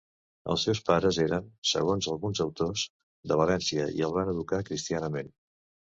Els seus pares eren, segons alguns autors, de València i el van educar cristianament.